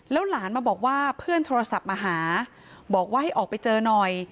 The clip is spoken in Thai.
หลานมาบอกว่าเพื่อนโทรศัพท์มาหาบอกว่าให้ออกไปเจอหน่อย